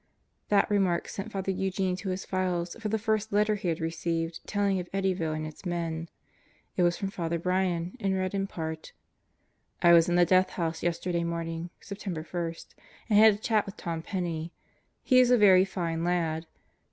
That remark sent Father Eugene to his files for the first letter he had received telling of Eddyvflle and its men. It was from Father Brian and read in part: I was in the Death House yesterday morning (September 1) and had a chat with Tom Penney. He is a very fine lad.